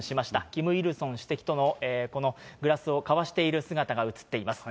キム・イルソン主席とのこのグラスを交わしている姿が写っています。